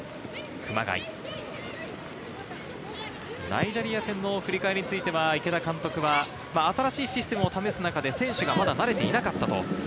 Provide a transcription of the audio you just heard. ナイジェリア戦の振り返りについて池田監督は、新しいシステムを試す中で選手が慣れていなかった。